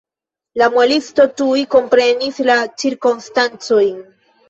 La muelisto tuj komprenis la cirkonstancojn.